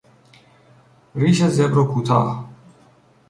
ریش زبر و کوتاه